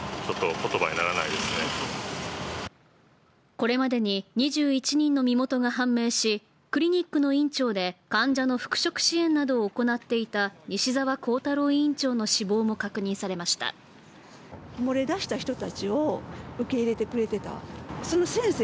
これまでに２１人の身元が判明し、クリニックの院長で患者の復職支援などを行っていた西澤弘太郎院長の死亡も確認されました。